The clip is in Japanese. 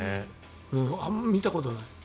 あまり見たことない。